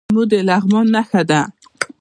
لیمو د لغمان نښه ده.